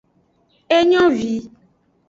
Engovi.